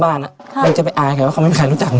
บ้านนี่จะไปอายใครว่าเขาไม่รู้จัก๘๑คนเลย